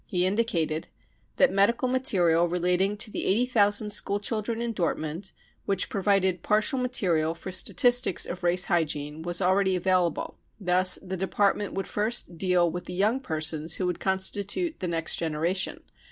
He indicated that medical £>8o brown book of the hitler terror material relating to the 80,000 schoolchildren in Dort mund, which provided partial material for statistics of race hygiene, was already available. Thus the depart ment would first deal with the young persons who would constitute the next generation.